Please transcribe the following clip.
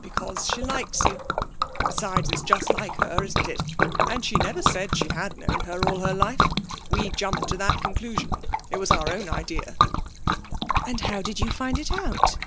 'Because she likes you. Besides, it's just like her, isn't it? And she never said she had known her all her life. We jumped to that conclusion. It was our own idea.' 'And how did you find it out?'